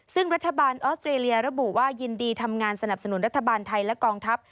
ซึ่งรัฐบาลออสเตรเลียระบุว่ายินดีทำงานสนับสนุนรัฐบาลไทยและกองทัพ